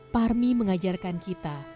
palmi mengajarkan kita